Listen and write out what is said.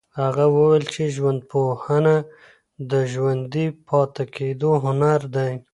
هغه وویل چي ژوندپوهنه د ژوندي پاته کيدو هنر دی.